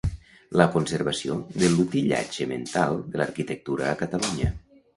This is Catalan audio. La conservació de l'utillatge mental de l'arquitectura a Catalunya.